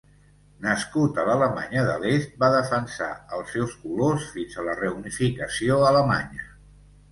Nascut a l'Alemanya de l'Est va defensar els seus colors fins a la reunificació alemanya.